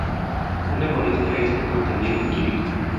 Un agonista es un contendiente químico.